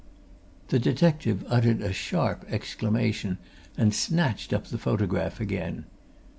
The detective uttered a sharp exclamation and snatched up the photograph again.